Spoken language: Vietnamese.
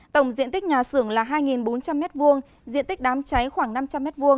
tổng diện tích nhà xưởng là hai bốn trăm linh m hai diện tích đám cháy khoảng năm trăm linh m hai